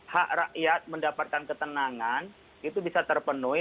hak rakyat mendapatkan ketenangan itu bisa terpenuhi